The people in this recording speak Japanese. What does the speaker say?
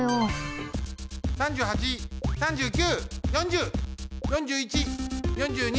３８３９４０４１４２。